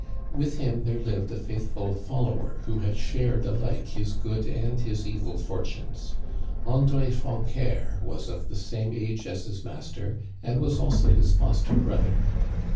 With him there lived a faithful fol lower who had shared alike his good and his evil for tunes. André Francœur was of the same age as his master, and was also his foster brother.